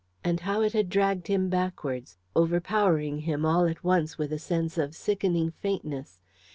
And how it had dragged him backwards, overpowering him all at once with a sense of sickening faintness.